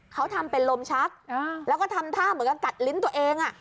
เขาทำเป็นลมชักแล้วก็ทำท่าเหมือนกับกัดลิ้นตัวเอง